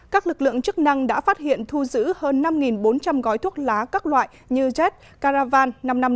các lực lượng chức năng đã phát hiện thu giữ hơn năm bốn trăm linh gói thuốc lá các loại như jet caravan năm trăm năm mươi